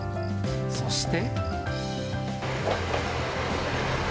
そして。